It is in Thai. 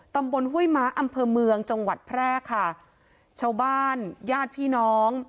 ห้วยม้าอำเภอเมืองจังหวัดแพร่ค่ะชาวบ้านญาติพี่น้อง